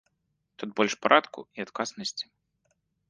Тут больш парадку і адказнасці.